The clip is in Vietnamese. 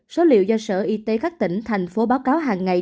số liệu do sở y tế các tỉnh thành phố báo cáo hàng ngày